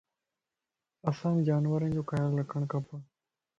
اسانک جانورين جو خيال رکڻ کپَ